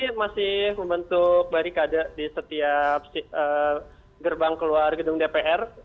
kami masih membentuk barikade di setiap gerbang keluar gedung dpr